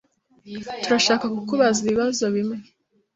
Turashaka kukubaza ibibazo bimwe.